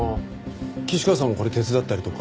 岸川さんもこれ手伝ったりとか？